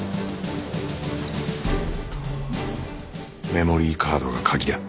メモリーカードが鍵だ